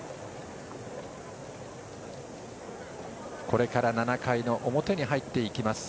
これから７回の表に入っていきます